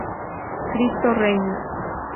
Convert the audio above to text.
Cristo reina.